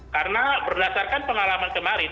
karena berdasarkan pengalaman kemarin